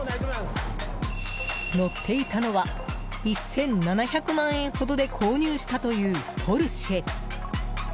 乗っていたのは１７００万円ほどで購入したという、ポルシェ。